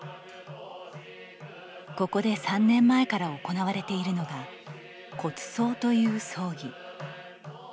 ここで、３年前から行われているのが骨葬という葬儀。